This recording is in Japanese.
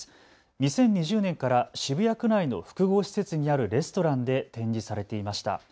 ２０２０年から渋谷区内の複合施設にあるレストランで展示されていました。